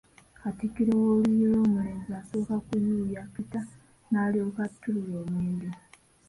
Katikkiro w’oluuyi lw’omulenzi, asooka kuyuuya kita n’alyoka attulula omwenge.